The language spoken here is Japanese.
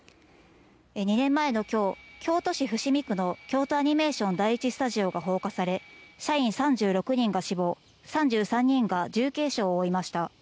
２年前のきょう京都市伏見区の京都アニメーション第１スタジオが放火され社員３６人が死亡３３人が重軽傷を負いました。